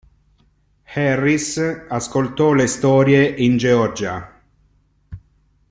Harris ascoltò le storie in Georgia.